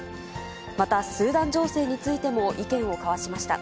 また、スーダン情勢についても意見を交わしました。